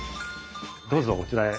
どうぞこちらへ。